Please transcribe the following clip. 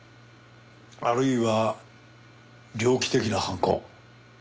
あるいは猟奇的な犯行。